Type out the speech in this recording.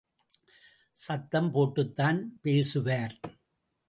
சத்தம் போட்டுத்தான் பேசுவார்.